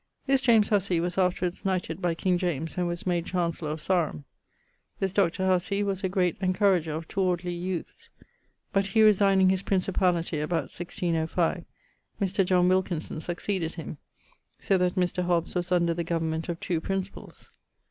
This James Hussee was afterwards knighted by king James and was made Chancellour of Sarum. This Dr. Hussee was a great encourager of towardly youths. But he resigning his principallity about 1605, Mr. John Wilkinson succeeded him: so that Mr. Hobs was under the government of two principalls.